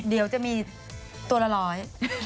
เดี๋ยวจะมีตัวละร้อย